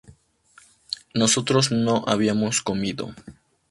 nosotros no habíamos comido